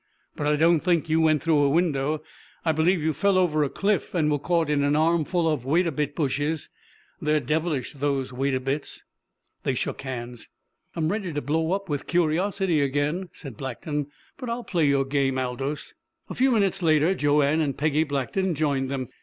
"But I don't think you went through a window. I believe you fell over a cliff and were caught in an armful of wait a bit bushes. They're devilish those wait a bits!" They shook hands. "I'm ready to blow up with curiosity again," said Blackton. "But I'll play your game, Aldous." A few minutes later Joanne and Peggy Blackton joined them.